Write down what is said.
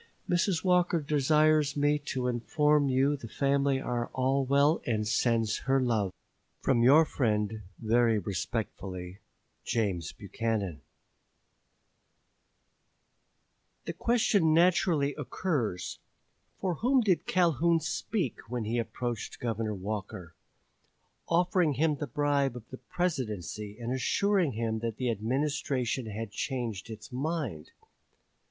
Mrs. Walker desires me to inform you the family are all well and sends her love. From your friend, very respectfully, JAMES BUCHANAN. Hon. ROBERT J. WALKER. Report Covode Committee, p. 111. The question naturally occurs, for whom did Calhoun speak when he approached Governor Walker, offering him the bribe of the Presidency and assuring him that the Administration had changed its mind?